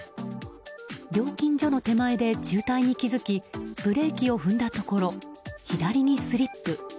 料金所の手前で渋滞に気づきブレーキを踏んだところ左にスリップ。